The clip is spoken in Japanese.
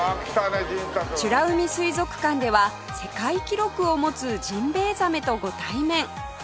美ら海水族館では世界記録を持つジンベエザメとご対面